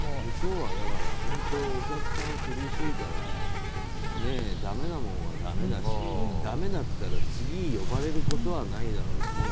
向こうは本当お客さん厳しいからだめなものはだめだしだめだったら次、呼ばれることはないだろうし。